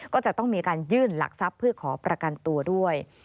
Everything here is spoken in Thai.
ก็จะต้องมีการยื่นหลักทรัพย์เพื่อขอประกันตัวด้วย